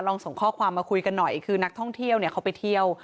ส่งข้อความมาคุยกันหน่อยคือนักท่องเที่ยวเนี่ยเขาไปเที่ยว